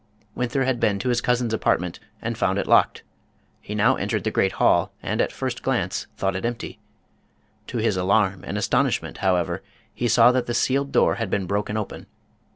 Winther had been to his cousin's apartment and found it locked. He now entered the great hall, and at first glance thought it empty. To his alarm and astonishment, how ever, he saw that the sealed door had been broken open.